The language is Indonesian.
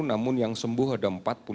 namun yang sembuh ada empat puluh lima